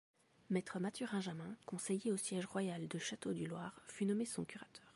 Maître Mathurin Jamin, conseiller au siège royal de Château-du-Loir, fut nommé son curateur.